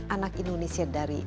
anak indonesia dari